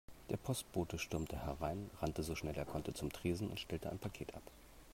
Der Postbote stürmte herein, rannte so schnell er konnte zum Tresen und stellte ein Paket ab.